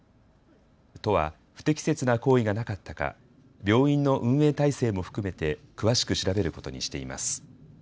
都は不適切な行為がなかったか病院の運営体制も含めて詳しく調べることにしています。